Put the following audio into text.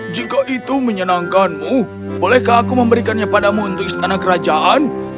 jika itu menyenangkanmu bolehkah aku memberikannya padamu untuk istana kerajaan